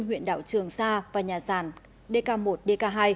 huyện đảo trường sa và nhà sàn dk một dk hai